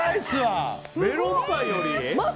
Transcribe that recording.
メロンパンより？